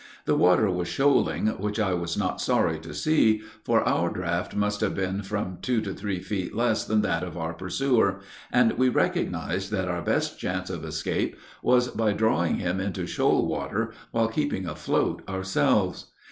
The water was shoaling, which I was not sorry to see, for our draft must have been from two to three feet less than that of our pursuer, and we recognized that our best chance of escape was by drawing him into shoal water, while keeping afloat ourselves.